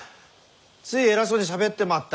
つい偉そうにしゃべってまった。